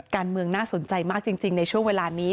การเมืองน่าสนใจมากจริงในช่วงเวลานี้